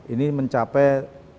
ini mencapai delapan puluh